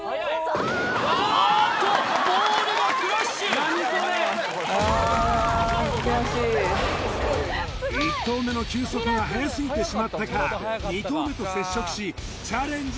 あーっとボールがクラッシュあ悔しい１投目の球速が速すぎてしまったか２投目と接触しチャレンジ